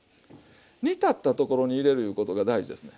煮立ったところに入れるいうことが大事ですね。